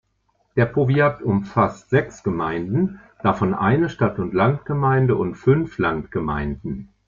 Der Powiat umfasst sechs Gemeinden, davon eine Stadt-und-Land-Gemeinde und fünf Landgemeinden.